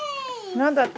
何だった？